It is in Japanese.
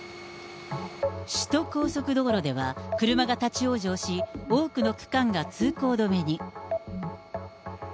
首都高速道路では、車が立往生し、多くの区間が通行止めに。